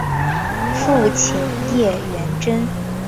父亲叶原贞。